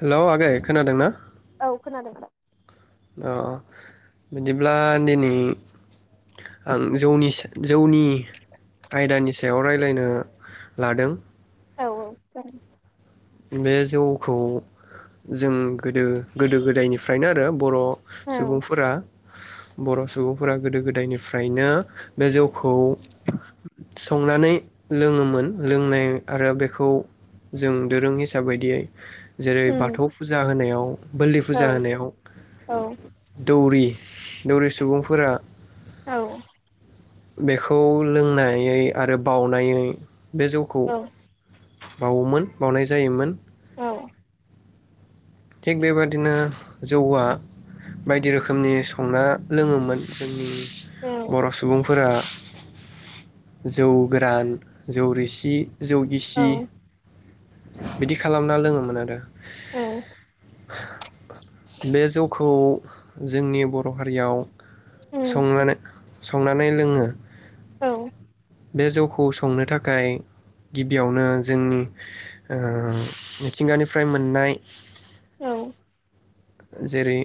Hello आगै खोनादों ना? औ खोनादों आदा। अ बिदिब्ला दिनै आं जौनि स जौनि आयदानि सायाव रायलायनो लादों। औ औ जागोन। बे जौखौ जों गोदो गोदो गोदायनिफ्रायनो आरो बर' औ सुबुंफोरा बर' सुबुंफोरा गोदो गोदायनिफ्रायनो बे जौ खौ संनानै लोङोमोन लोंनाय आरो बेखौ जों दोरों हिसाब बायदियै जेरै उम बाथौ फुजा होनायाव बोलि औ फुजा होनायाव औ दौरि दौरि सुबुंफोरा औ बेखौ लोंनायै आरो बावनायै बे जौखौ औ बावोमोन बावनाय जायोमोन। औ थिग बेबादिनो जौआ बायदि रोखोमनि संना लोङोमोन जों उम औ बर' सुबुं फोरा जौ गोरान जौ रिसि जौगिसि औ बिदि खालामना लोङोमोन आरो। ओम [inaudible] बे जौखौ जोंनि बर' हारियाव उम संनानै संनानै लोङो। औ बे जौखौ संनो थाखाय गिबियावनो जोंनि ओ मिथिंगानिफ्राय मोननाय औ जेरै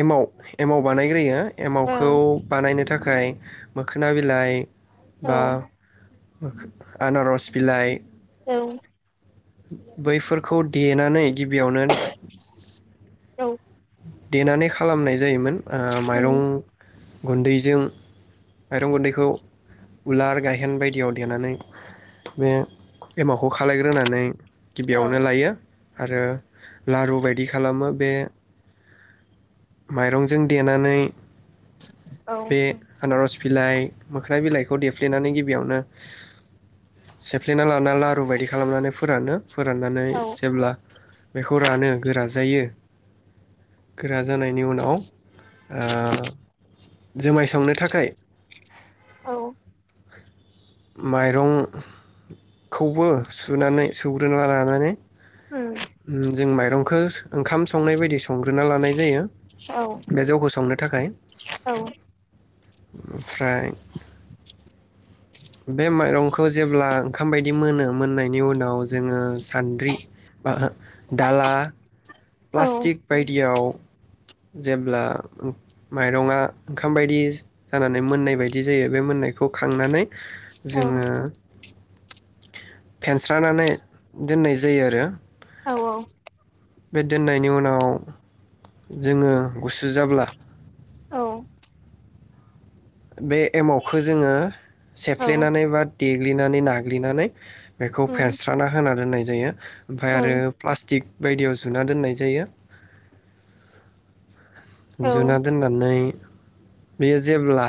एमाव एमाव बानायग्रोयो। एमावखौ बानायनो थाखाय थाखाय मोखोना बिलाइ बा ओ आनारस बिलाइ औ औ । बैफोरखौ देनानै गिबियावनो औ उम औ उम औ देनानै खालामनाय जायोमोन। ओ उम माइरं गुन्दैजों माइरं गुन्दैखौ उलार गायहेन बायदियाव देनानै बे एमाव खौ खालायग्रोनानै औ औ उम औ गिबियावनो लायो। आरो लारु बायदि खालामो बे माइरंजों देनानै बे आनारस बिलाइ मोख्राइ बिलाइखौ देफ्लेनानै गिबियावनो सेफ्लेना लाना लारु बायदि खालामनानै फोरानो। फोराननानै जेब्ला बेखौ रानो गोरान जायो गोरान जानायनि उनाव जुमाय संनो थाखाय औ माइरं खौबो सुनानै सौग्रोना लानानै जों माइरं [unintelligible] ओंखाम संनाय बायदि संग्रोना लानाय जायो बे जौखौ संनो थाखाय। ओमफ्राय बे माइरंखौ जेब्ला ओंखाम बायदि मोनो मोननायनि उनाव जोङो सान्द्रि बा दाला प्लास्टिक बायदियाव जेब्ला माइरङा ओंखाम बायदि जानानै मोननाय बायदि जायो बे मोननायखौ खांनानै औ जोङो फेनस्रानानै दोननाय जायो आरो औ औ बे दोननायनि उनाव जोङो गुसु जाब्ला औ बे एमावखौ जोङो ओं सेफ्लेनानै बा देग्लिनानै नाग्लिनानै बेखौ फेनस्राना होना दोन्नाय जायो ओमफ्राय आरो प्लास्टिक बायदियाव जुना दोननाय जायो जुुना दोननानै बेयो जेब्ला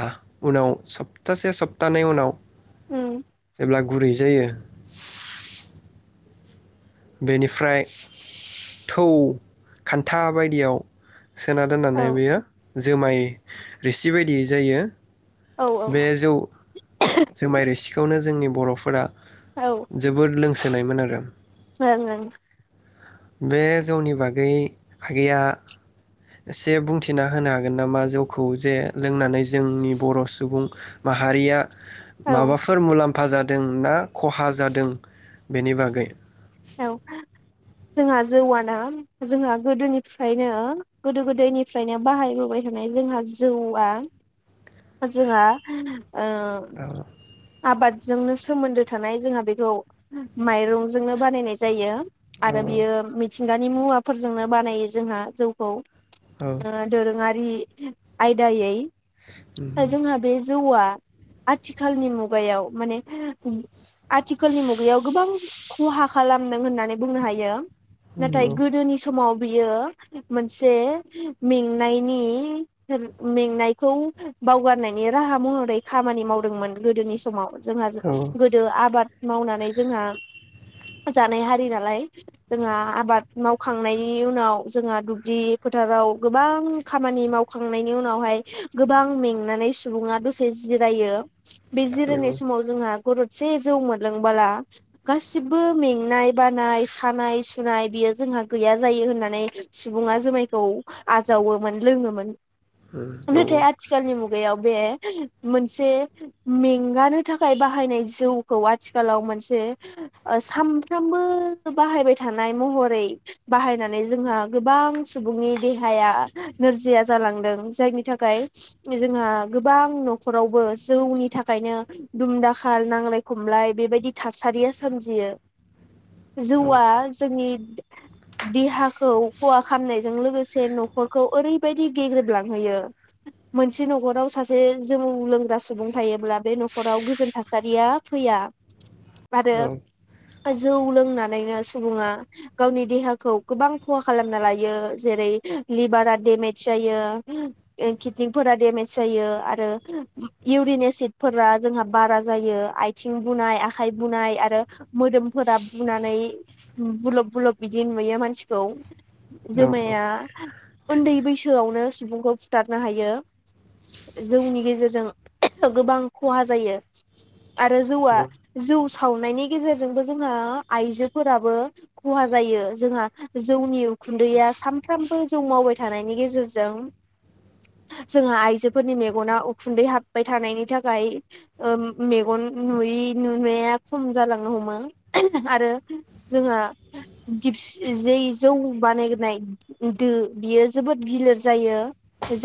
उनाव सप्तासे सप्तानै उनाव उम अब्ला गुरै जायो बेनिफ्राय थौ खान्था बायदियाव सोना दोननानै बेयो जोमाय रिसि बायदियै जायो बे जौ जुमाय रोसिखौनो जोंनि बर [unintelligible] जोबोद लोंसोनायमोन आरो [unintelligible] बे जौनि बागै आगैया एसे बुंथिना होनो हागोन नामा जौखौ जे लोंनानै जोंनि बर सुबुं माहारिया ओं औ माबाफोर मुलाम्फ मुलाम्फा जादों ना खहा जादों बेनि बागै औ जोंहा जौआना जोंहा गोदोनिफ्रायनो गोदो गोदायनिफ्रायनो बाहायबोबाय थानाय जोंहा जौआ जोंहा ओ ओ आबादजोंनो सोमोन्दो थानाय जोंहा बेखौ माइरंजोंनो बानायनाय जायो औ आरो बियो मिथि दानि मुवाफोरजोंनो बानायो जोंहा जौखौ औ दोरोङारि आयदायै जोंहा बे जौवआ आथिखालनि मुगायाव माने ओम आथिखालनि मुगायाव गोबां खहा खालामदों होननानै बुंनो हायो। नाथाय गोदोनि समाव बियो मोनसे मेंनायनि मेंनायखौ बावगारनायनि राहा महरै खामानि मावदोंमोन गोदोनि समाव। जोंहा औ गोदो आबाद मावनानै जोंहा जानाय हारि नालाय जोंहा आबाद मावखांनायनि उनाव जोंहा दुब्लि फोथाराव गोबां खामानि मावखांनायनि उनावहाय गोबां मेंनानै सुबुङा दसे जिरायो। बे जिरायनाय समाव जोंहा गरदसे जौ मोनलोंबोला गा सिबो मेंनाय बानाय सानाय सुनाय बियो जोंहा गैया जायो होननानै सुबुङा जुमायखौ आजावोमोन लोङोमोन। औ नाथाय आथिखालनि मुगायाव बे मोनसे मेंगानो थाखाय बाहायनाय जौखौ आथिखालाव मोनसे ओ सामफ्रामबो बाहायबाय थानाय महरै बाहायनानै जोंहा गोबां सुबुंनि देहाया नोरजिया जालांदों जायनि थाखाय जोंहा गोबां नखरावबो जौनि थाखायनो दुमदाखाल नांलाय खमलाय बेबायदि थासारिया सोमजियो। औ जौआ जोंनि देहाखौ खहा खालामामनायजों लोगोसे नखरखौ ओरैबायदि गेग्रेबलांहोयो। मोनसे नखराव सासे जौ लोंग्रा सुबुं थायोब्ला बे नखराव गोजोन थासारिया फैया। आरो औ जौ लोंनानैनो सुबुङा गावनि देहाखौ गोबां खहा खालामना लायो जेरै लिभारा डेमेज जायो, किडनिफोरा डेमेज जायो आरो इउरिन एसिडफोरा जोंहा बारा जायो आथिं बुनाय आखाइ बुनाय आरो मोदोमफोरा बुनानै ओम बुलब बुलब बिदि नुयो मानसिखौ औ जुमाया उन्दै बैसोआवनो सुबुंखौ फुथारनो हायो जौनि गेजेरजों गोबां खहा जायो। आरो जौआ औ जौ सावनायनि गेजेरजोंबो जोंहा आइजोफोराबो खहा जायो। जोंहा जौनि उखुन्दैया सानफ्रामबो जौ मावबाय थानायनि गेजेरजों जोंहा आइजोफोरनि मेगना उखुन्दै हाबबाय थानायनि थाखाय ओ मेगन नुयि नुनाया खम जालांनो हमो आरो जोंहा दिक्सि जे जौ बानायनाय दो बियो जोबोद गिलिर जायो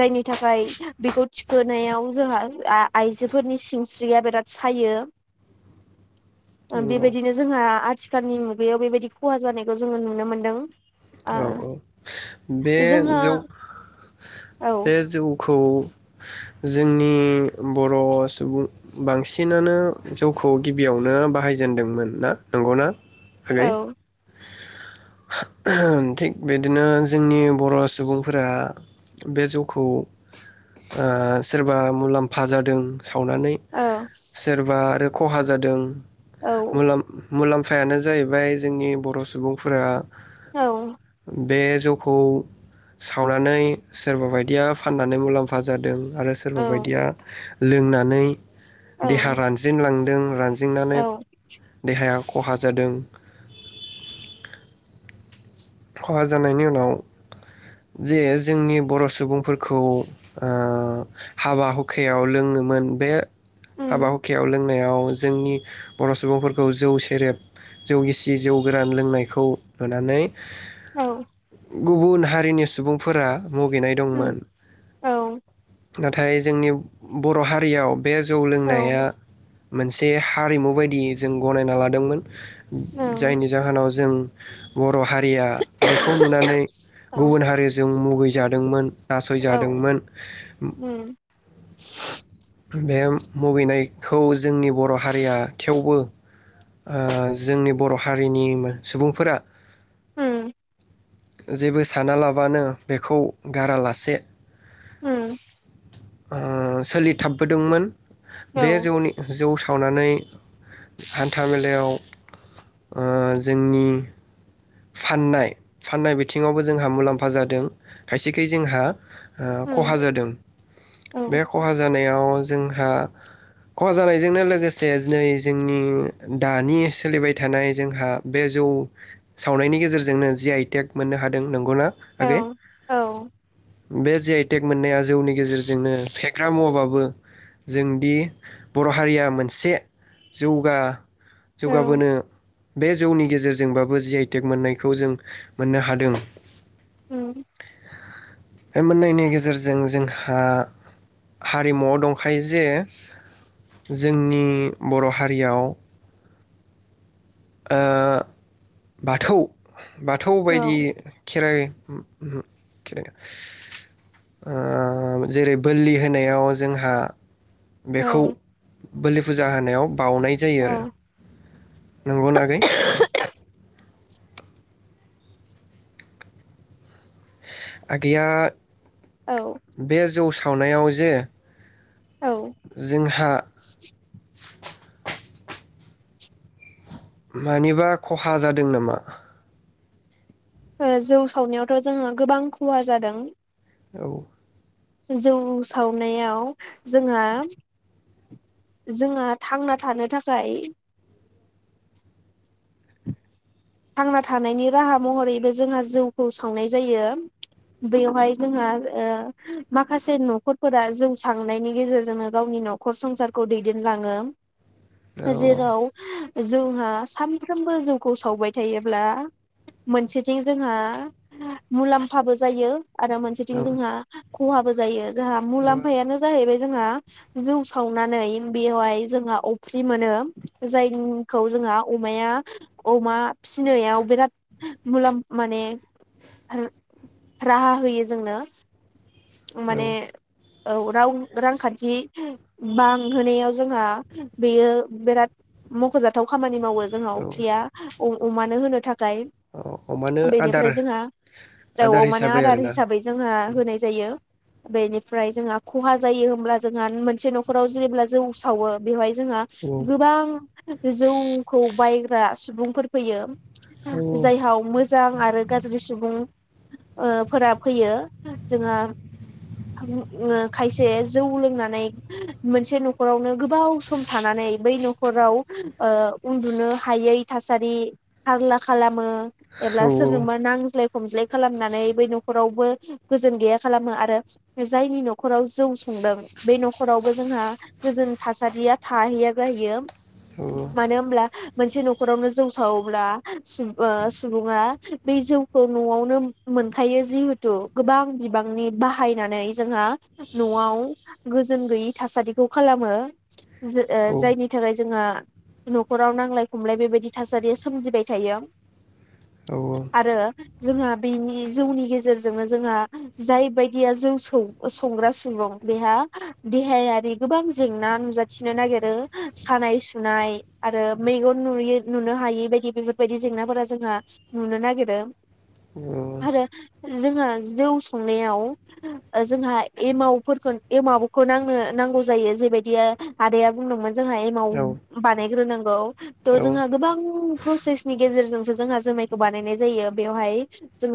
जायनि थाखाय बेखौ थिखोनायाव जोंहा ओ आ-आइजोफोरनि सिंस्रिया बिराद सायो। ओ नंगौ बेबायदिनो जोंहा आथि खालनि मुगायाव बेबायदि खहा जानायखौ जोङो नुनो मोन्दों। औ औ बे जोंहा जौ औ बे जौ खौ जोंनि बर सुबुं बांसिनानो जौखौ गिबियावनो बाहायजेनदोंमोन ना नंगौना? औ। [inaudible] ओहोम थिग बिदिनो जोंनि बर सुबुंफोरा बे जौखौ सोरबा मुलाम्फा जादों। सावनानै औ सोरबा आरो खहा जादों। औ मुलाम मुलाम्फायानो जाहैबाय जोंनि बर' सुबुं सुबुंफोरा औ बे जौखौ सावनानै सोरबा बायदिया फाननानै मुलाम्फा जादों। आरो सोरबा औ बायदिया लोंना नै औ देहा रानज्रिन लां दों रानज्रिंनानै औ देहाया खहा जादों। खहा जानायनि उनाव जे जोंनि बर' सुबुंफोरखौ ओ हाबा हुखायाव लोङोमोन बे हाबा उम हुखायाव लोंनायाव जोंनि बर' सुबुंफोरखौ जौ सेरेब जौ गिसि जौ गोरान लोंनायखौ नुनानै औ। गुबुन हारिनि सुबुंफोरा मुगैनाय दंमोन उम औ नाथाय जोंनि बर हारियाव बे जौ औ लोंनाया मोनसे हारिमु बायदि जों गनायना लादोंमोन ओं जायनि जाहोनाव जों बर हारि या बेखौ नुनानै औ गुबुन हारिजों मु गै जादोंमोन औ नासयजादोंमोन उम बे मुगैनायखौ जोंनि बर हारिया थेवबो जोंनि बर हारिनि सुबुंफोरा उम जेबो सानालाबानो बेखौ गारालासे उम ओ सोलिथाबबोदोंमोन बे औ जौनि जौ सावनानै हान्था मेलायाव ओ जोंनि फाननाय-फाननाय बिथिङावबो जोंहा मुलाम्फा जादों खायसेखाय जोंहा ओ खहा उम जादों औ बे खहा जानायाव जोंहा खहा जानायजोंनो लोगोसे दिनै जोंनि दानि सोलिबाय थानाय जोंहा बे जौ सावनायनि गेजेरजोंनो जि आइटेक मोननो हादों नंगौना आगै? औ-औ बे जे आइटेक मोननाया जौनि गेजेरजोंनो फेग्रा मुवाबाबो जोंदि बर हारिया मोनसे जौगा औ जौगाबोनो बे जौनि गेजेरजोंबाब जि आ इ टे क मोननायखौ जों मोननो हादों। उं बे मोननायनि गेजेरजों जोंहा हारिमुआव दंखायो जे जोंनि बर हारियाव ओ बाथौ बाथौ औ बायदि खेराइ जेरै बोरलि होनायाव जोंहा औ बेखौ बोलि फुजा होनायाव बाउनाय जायो आरो बा औ नंगौ ना आगै आगैया औ बे जौ सा सावनायाव जे ओ जोंहा। मानिबा खहा जादों नामा? जौ सावनायावथ जोंहा गोबां खहा जादों। औ जौ सावनायाव जोंहा-जोंहा थांना थानो थाखाय। थांना थानायनि राहा महरैबो जोंङो जौखौ सांनाय जायो बेवहाय जोंहा ओ माखासे नखरफोरा जौ सांनायनि गेजेरजोंनो गावनि नखर संसारखौ दैदेनलाङो। जेराव जोंहा सानफ्रोमबो जौखौ सावबाय थायोब्ला मोनसेथिं जोंहा मुलाम्फाबो जायो। आरो औ मोनसेथिं जोंहा खहाबो जायो। जोंहा मुलाम्फायानो जाहैबाय। जोंहा जौ सावनानै बेवहाय जोंहा अफ्रि मोनो जायखौ जोंहा अमाया अमा फिनायाव बिराद हो मुलाम माने हो राहा होयो जोंनो औ माने औ राव रांखान्थि बांहोनायाव जोंहा बेयो बिराद मखजाथाव खामानि। मावो जोंहा औ अफ्रिआ अ-अमा होनो। ओमफ्राय औ अमानो आदार बेनिफ्राय जोंहा आदार दाउआव माने हिसाबै आदार आरोना हिसाबै जोंहा होनाय। बेनिफ्राय जोंहा खहा जायो होब्ला जोंहा मोनसे नखराव जेब्ला जौ सावो बेवहाय। जोंहा औ गोबां जौखौ बाय सुबुंफोर फैयो। जाहाव मोजां आरो गाज्रि सुबुं। ओ फोरा फैयो। जोंहा हां ओ खायसे जौ लोंनानै मोनसे नखरावनो गोबाव सम थानानै बै नखराव ओ उन्दुनो हायै थासारि हारला खालामो। औ एब्ला सोरजोंबा नांज्लाय खमज्लाय खालामनानै बै नखरावबो गोजोन गैया खालामो आरो जायनि नखराव जौ संदों बे नखरावबो जोंहा गोजोन थासारिया थाहैया जाहैयो। मानो होमब्ला मोनसे नखरावनो जौ सावोब्ला ओ सुबुङा बै जौखौ नआवनो मोनखायो जिहेथु गोबां बिबांनि बाहायनानै जोंहा नआव गोजोन गैयै थासारिखौ खालामो। जो-जायनि थाखाय जोंहा नखराव नांलाय खमलाय बेबायदि थासारिया सोमजिबाय थायो। आरो जोंहा बेनि जौनि गेजेरजोंनो जोंहा जाय बायदिया जौ सौ-संग्रा सुबुं बेहा देहायारि गोबां जेंना नुजाथिनो नागिरो सानाय सुनाय आरो मेगन नुयो नुनो हायि बायदि बेफोरबायदि जेंनाफोरा जोंहा नुनो नागिरो। अ जोङो जौ संनायाव जोंहा एमावफोरखौ एमावखौ नांनो नांगौ जायो जेबायदिया आदाया बुंदोंमोन जोंहा एमाव औ बानायग्रोनां गौ थ' औ जोंहा गोबां प्रसेसनि गेजेरजों जोंहा जुमायखौ बानायनाय जायो बेयावहाय जोङो